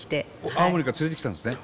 青森から連れてきたんですね。